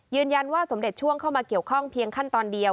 สมเด็จช่วงเข้ามาเกี่ยวข้องเพียงขั้นตอนเดียว